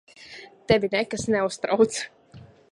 Tevi nekas neuztrauc.